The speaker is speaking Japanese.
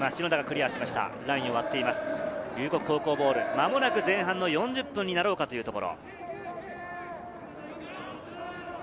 まもなく前半４０分になろうかというところ。